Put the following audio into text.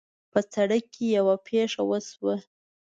په سړک کې یوه پېښه وشوه